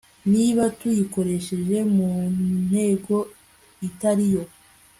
niba tuyikoresheje mu ntego itari yo